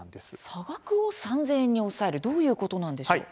差額を３０００円に抑えるどういうことなんでしょう。